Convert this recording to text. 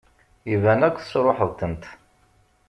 Iban akk tesṛuḥeḍ-tent.